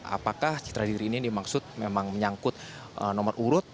apakah citra diri ini dimaksud memang menyangkut nomor urut